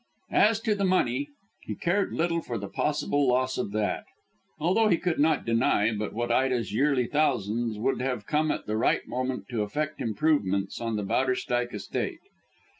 As to the money, he cared little for the possible loss of that, although he could not deny but what Ida's yearly thousands would have come at the right moment to effect improvements on the Bowderstyke estate.